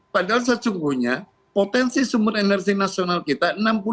padahal sesungguhnya potensi sumber energi nasional kita